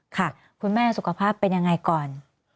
คุณแม่สุขภาพเป็นยังไงก่อน